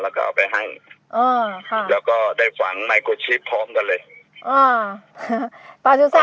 แล้วก็เอาไปให้อ๋อค่ะแล้วก็ได้ฝังพร้อมกันเลยอ๋อประสุทธิ์ศาสตร์เขาจะเข้าไป